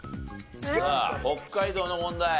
さあ北海道の問題。